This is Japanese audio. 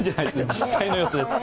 実際の様子です。